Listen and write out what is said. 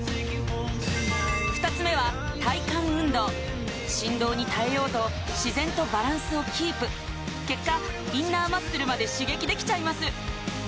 ２つ目は体幹運動振動に耐えようと自然とバランスをキープ結果インナーマッスルまで刺激できちゃいます